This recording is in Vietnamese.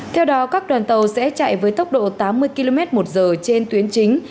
theo đó các đoàn tàu sẽ chạy với tốc độ tám mươi km một giờ trên tuyến chính